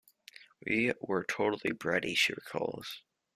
"We were totally bratty," she recalls.